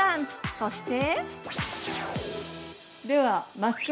そして。